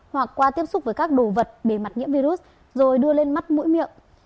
hoặc qua tiếp xúc với các đồ vật bề mặt nhiễm virus rồi đưa lên mắt mũi miệng